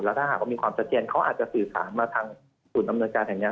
ถ้าหากว่ามีความชัดเจนเขาอาจจะสื่อสารมาทางศูนย์อำนวยการแห่งนี้